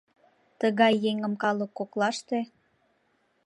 Тыгай еҥым калык коклаште